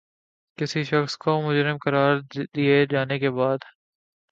کسی شخص کو مجرم قراد دیے جانے کے بعد